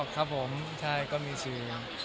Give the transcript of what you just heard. อ๋อครับผมใช่ก็มีชื่อ